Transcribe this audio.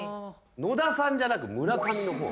野田さんじゃなく村上の方？